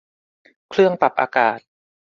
เครื่องปรับอากาศ